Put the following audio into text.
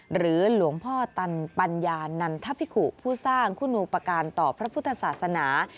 หรือหลวงพ่อตันปัญญานันทพิกุผู้สร้างคุณูปการณ์ต่อพระพุทธศาสนา